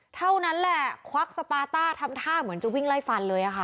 เท่านั้นแหละควักสปาต้าทำท่าเหมือนจะวิ่งไล่ฟันเลยค่ะ